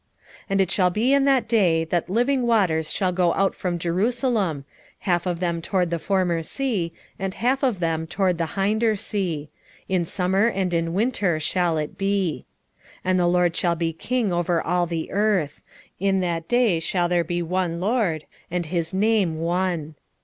14:8 And it shall be in that day, that living waters shall go out from Jerusalem; half of them toward the former sea, and half of them toward the hinder sea: in summer and in winter shall it be. 14:9 And the LORD shall be king over all the earth: in that day shall there be one LORD, and his name one.